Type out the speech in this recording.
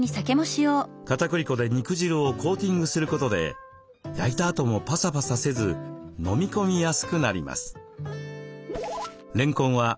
かたくり粉で肉汁をコーティングすることで焼いたあともパサパサせず飲み込みやすくなります。